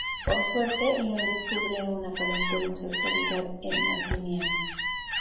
Por suerte, Leon descubre una aparente homosexualidad en Martiniano.